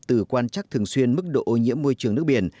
từ quan chắc thường xuyên mức độ ô nhiễm môi trường nước biển